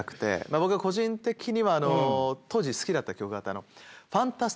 僕が個人的には当時好きだった曲があって。